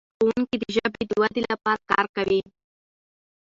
ښوونکي د ژبې د ودې لپاره کار کوي.